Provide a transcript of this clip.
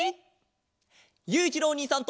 ゆういちろうおにいさんと。